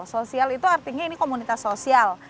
sosial itu artinya ini komunitas sosial